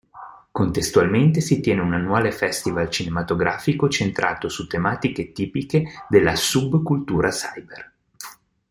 Contestualmente si tiene un annuale festival cinematografico centrato su tematiche tipiche della subcultura cyber.